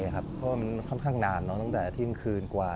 เพราะว่ามันค่อนข้างนานตั้งแต่เที่ยงคืนกว่า